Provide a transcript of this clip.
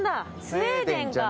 スウェーデンが。